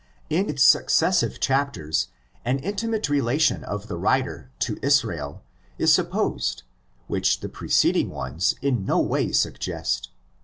In its successive chapters an inti mate relation of the writer to Israel is supposed which the preceding ones in no way suggest.